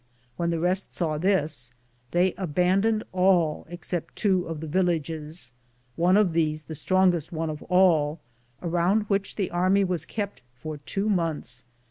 When the real saw this, they abandoned all except two of the villages, one of these the strongest one of all, around which the army was kept for two months.